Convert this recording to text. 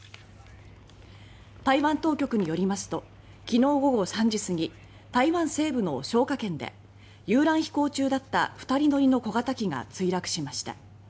台湾当局によりますと昨日午後３時過ぎ台湾西部の彰化県で遊覧飛行中だった２人乗りの小型機が墜落しました。